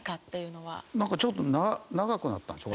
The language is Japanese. なんかちょっと長くなったんでしょ？